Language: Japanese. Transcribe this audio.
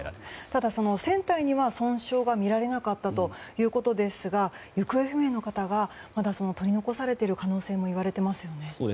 ただ、船体には損傷がみられなかったということですが行方不明の方がまだ、取り残されている可能性も言われていますよね。